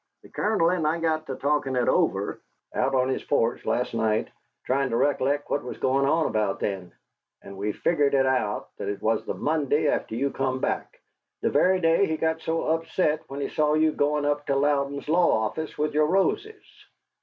The Colonel and I got to talkin' it over, out on his porch, last night, tryin' to rec'lect what was goin' on about then, and we figgered it out that it was the Monday after you come back, the very day he got so upset when he saw you goin' up to Louden's law office with your roses."